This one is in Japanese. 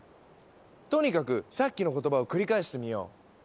とにかくさっきの言葉を繰り返してみよう。